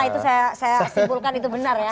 itu saya simpulkan itu benar ya